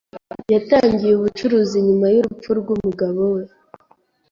Yatangiye ubucuruzi nyuma y'urupfu rw'umugabo we.